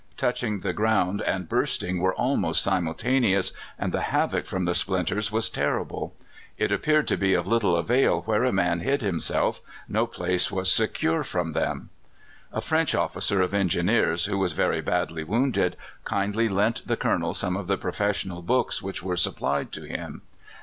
Touching the ground and bursting were almost simultaneous, and the havoc from the splinters was terrible. It appeared to be of little avail where a man hid himself: no place was secure from them. A French officer of Engineers, who was very badly wounded, kindly lent the Colonel some of the professional books which were supplied to him.